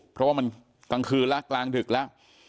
เพราะว่ามันกลางคืนแล้วกลางดึกแล้ว